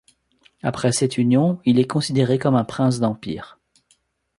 Après cette union il est considéré comme un Prince d'Empire.